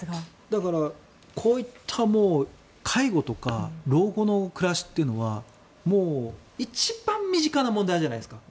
だからこういった介護とか老後の暮らしというのは一番身近な問題じゃないですか。